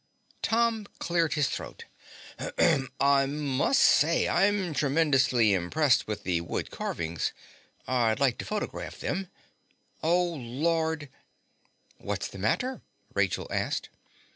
Tom cleared his throat. "I must say I'm tremendously impressed with the wood carvings. I'd like to photograph them. Oh, Lord!" "What's the matter?" Rachel asked.